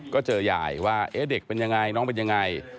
ก็เจอยายว่าเด็กเป็นยังไงน้องเป็นยังไง